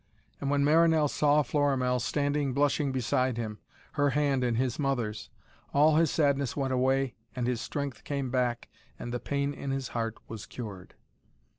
And when Marinell saw Florimell standing blushing beside him, her hand in his mother's, all his sadness went away and his strength came back, and the pain in his heart was cured.